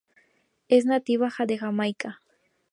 Es nativa de Jamaica.